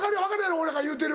俺らが言うてる。